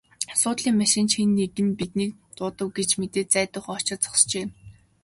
Суудлын машин ч хэн нэг нь биднийг дуудав гэж мэдээд зайдуухан очоод зогсжээ.